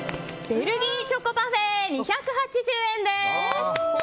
ベルギーチョコパフェ２８０円です。